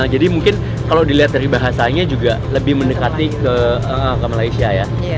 jadi mungkin kalau dilihat dari bahasanya juga lebih mendekati ke malaysia ya